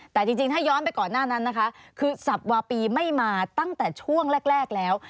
แต่จริงถ้าย้อนไปก่อนหน้านั้นนะคะคือสับวาปีไม่มาตั้งแต่ช่วงแรกแล้ว